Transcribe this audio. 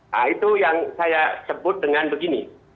nah itu yang saya sebut dengan begini